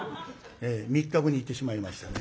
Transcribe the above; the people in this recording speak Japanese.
３日後に逝ってしまいましたね。